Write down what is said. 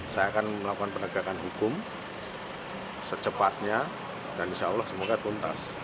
saya akan melakukan penegakan hukum secepatnya dan insya allah semoga tuntas